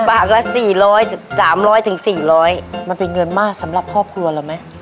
ปากละสี่ร้อยสามร้อยถึงสี่ร้อยมันเป็นเงินมากสำหรับครอบครัวเหรอแม่